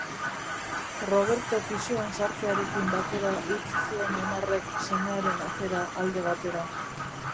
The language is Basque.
Roberto pisuan sartzearekin batera utzi zuen Omarrek semearen afera alde batera.